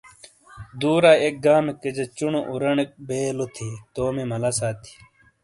دُورائیی ایک گامیکے جہ چُونو اورانیک بیے لو تھی تومی مالہ ساتی ۔